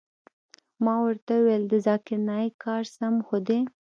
ما ورته وويل د ذاکر نايک کار سم خو دى.